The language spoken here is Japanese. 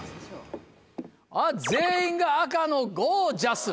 あっ全員が紅のゴー☆ジャス。